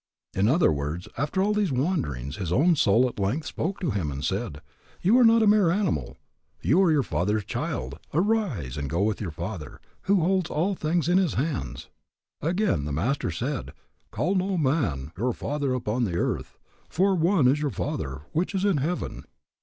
In other words, after all these wanderings, his own soul at length spoke to him and said, You are not a mere animal. You are your Father's child. Arise and go to your Father, who holds all things in His hands. Again, the Master said, Call no man your Father upon the earth: for one is your Father, which is in heaven.